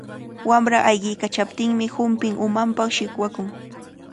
Wamra ayqiykachaptinmi humpin umanpa shikwamun.